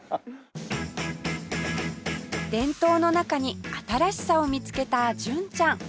伝統の中に新しさを見つけた純ちゃん